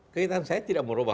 kehidupan saya tidak merubah